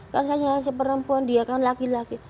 kan saya seperempuan dia kan laki laki